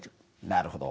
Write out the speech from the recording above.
なるほど。